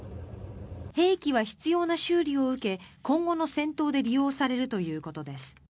兵器は必要な修理を受け今後の戦闘で利用されるということです。